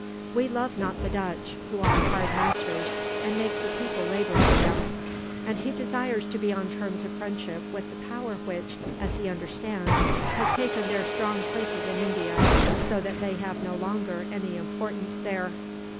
We love not the Dutch, who are hard masters, and make the people labour for them; and he desires to be on terms of friendship with the power which, as he understands, has taken their strong places in India, so that they have no longer any importance there."